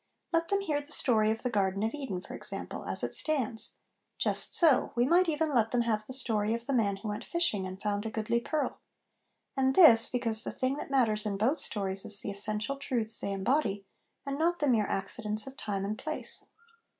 Let them hear the story of the Garden of Eden, for example, as it stands ; just so, we might even let them have the story of the man who went fishing and found a goodly pearl ; and this, because the thing that matters in both stories is the essential truths they embody, and not the mere accidents of time and place.